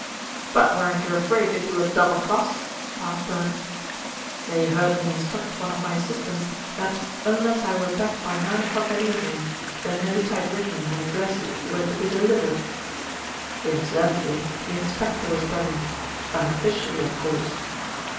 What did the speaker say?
"But weren't you afraid they'd do a double cross?" asked Burns. "They heard me instruct one of my assistants that unless I were back by nine o'clock that evening, the notes I had written and addressed were to be delivered. _Incidentally the inspector was present, unofficially of course.